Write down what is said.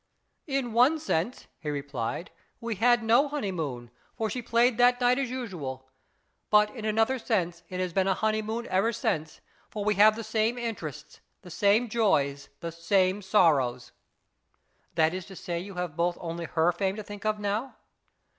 " In one sense," he replied, " we had no honeymoon, for she played that night as usual; but in another sense it has been a honeymoon ever since, for we have the same interests, the same joys, the same sorrows/' "That is to say, you have both only her fame to think of now